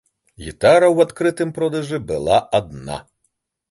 Гітара ў адкрытым продажы была адна.